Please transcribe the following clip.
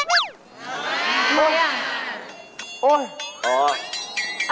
อะไรละ